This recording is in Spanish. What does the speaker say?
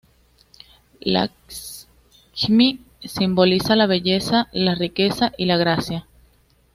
Lakshmi simboliza la belleza, la riqueza y la gracia.